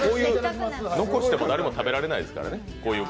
残しても誰も食べられないですからね。